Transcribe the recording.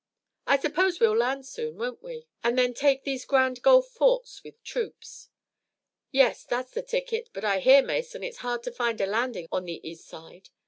I suppose we'll land soon, won't we, and then take these Grand Gulf forts with troops." "Yes, that's the ticket, but I hear, Mason, it's hard to find a landing on the east side.